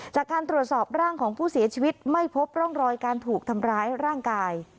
จากการตรวจสอบร่างของผู้เสียชีวิตไม่พบร่องรอยการถูกทำร้ายร่างกาย